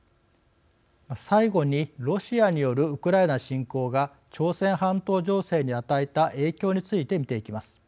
最後に、ロシアによるウクライナ侵攻が朝鮮半島情勢に与えた影響について見ていきます。